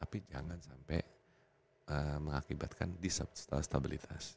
tapi jangan sampai mengakibatkan distabilitas